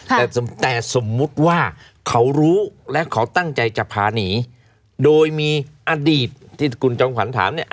แต่สมมุติว่าเขารู้และเขาตั้งใจจะพาหนีโดยมีอดีตที่คุณจอมขวัญถามเนี่ย